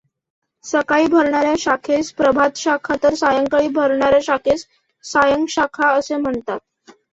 सकाळी भरणाऱ्या शाखेस प्रभातशाखा तर सायंकाळी भरणाऱ्या शाखेस सायंशाखा असे म्हणतात.